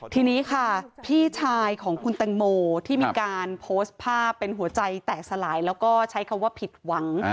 ทีนี้ค่ะพี่ชายของคุณแตงโมที่มีการโพสต์ภาพเป็นหัวใจแตกสลายแล้วก็ใช้คำว่าผิดหวัง